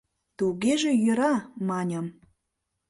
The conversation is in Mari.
— Тугеже, йӧра, — маньым.